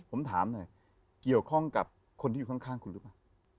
ผมถามหน่อยเกี่ยวข้องกับคนที่อยู่ข้างคุณหรือเปล่า